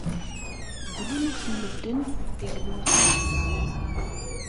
D luluf n medden i yemmuten s laẓ.